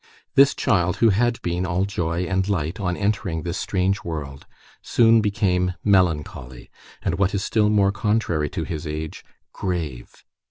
This child, who had been all joy and light on entering this strange world, soon became melancholy, and, what is still more contrary to his age, grave.